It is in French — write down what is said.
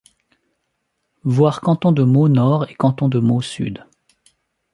Voir Canton de Meaux-Nord et Canton de Meaux-Sud.